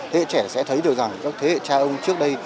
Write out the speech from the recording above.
thế hệ trẻ sẽ thấy được rằng các thế hệ cha ông trước đây